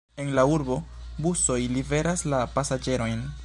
En la urbo busoj liveras la pasaĝerojn.